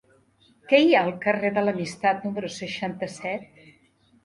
Què hi ha al carrer de l'Amistat número seixanta-set?